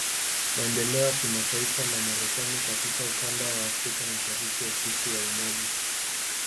Maendeleo ya Kimataifa la Marekani katika Ukanda wa Afrika Mashariki Ofisi ya Umoja